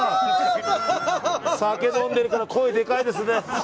酒飲んでるから声でかいですね。